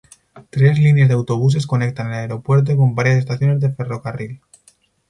Tres líneas de autobuses conectan el aeropuerto con varias estaciones de ferrocarril.